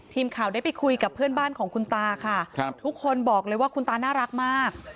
ทีมข่าวได้ไปคุยกับเพื่อนบ้านของคุณตาค่ะครับทุกคนบอกเลยว่าคุณตาน่ารักมาก